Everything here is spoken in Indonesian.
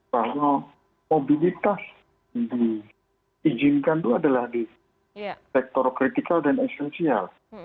bahwa mobilitas yang diizinkan itu adalah di sektor kritikal dan esensial